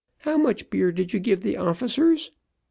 How much beer did you give the officers?